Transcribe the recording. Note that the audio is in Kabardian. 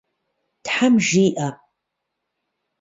Тхьэм жиӏэ!